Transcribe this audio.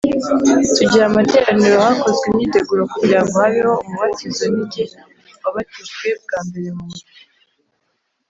tugira amateraniro Hakozwe imyiteguro kugira ngo habeho umubatizo Ni jye wabatijwe bwa mbere mu murya